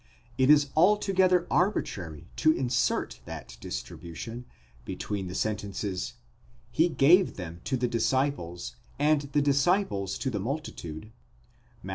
It is altogether arbitrary to insert that distribution between the sentences, He gave them to the disciples, and the disciples to the multitude (Matt.